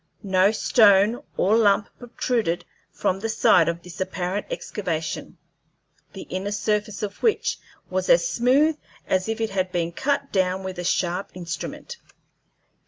No stone or lump protruded from the side of this apparent excavation, the inner surface of which was as smooth as if it had been cut down with a sharp instrument.